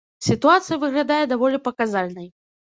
Сітуацыя выглядае даволі паказальнай.